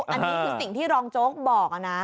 อันนี้คือสิ่งที่รองโจ๊กบอกนะ